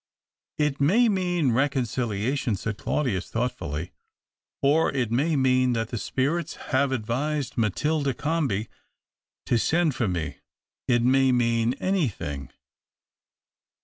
" It may mean reconciliation," said Claudius thoughtfully, " or it may mean that the spirits have advised Matilda Comby to send for me. It may mean anything."